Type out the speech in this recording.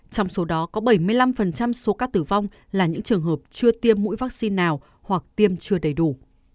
trong số đó có bảy mươi năm số ca tử vong là những trường hợp chưa tiêm mũi vaccine nào hoặc tiêm chưa đầy đủ